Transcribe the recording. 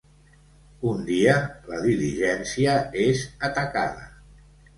Un dia, la diligència és atacada.